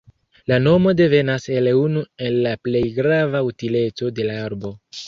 La nomo devenas el unu el la plej grava utileco de la arbo.